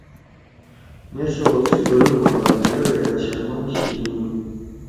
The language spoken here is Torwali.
مے سوق سی بنو ما بعد لوے ہاشر ما شید ہونین۔